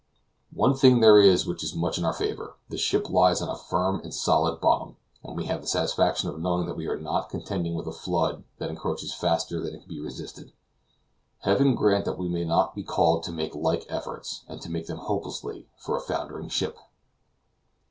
One thing there is which is much in our favor; the ship lies on a firm and solid bottom, and we have the satisfaction of knowing that we are not contending with a flood that encroaches faster than it can be resisted. Heaven grant that we may not be called to make like efforts, and to make them hopelessly, for a foundering ship!